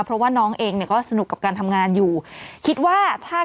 เพราะว่าน้องเองเนี่ยก็สนุกกับการทำงานอยู่คิดว่าถ้า